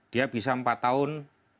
dia bisa empat tahun